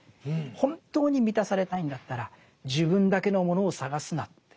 本当に満たされたいんだったら自分だけのものを探すなって。